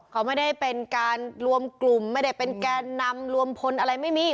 เขาไม่ได้เป็นการรวมกลุ่มไม่ได้เป็นแกนนำรวมพลอะไรไม่มี